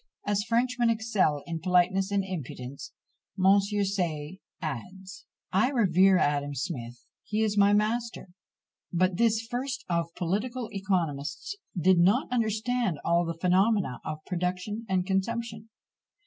As Frenchmen excel in politeness and impudence, Monsieur Say adds, "I revere Adam Smith; he is my master; but this first of political economists did not understand all the phenomena of production and consumption."